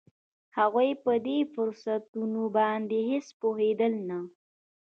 هغوی په دې فرصتونو باندې هېڅ پوهېدل نه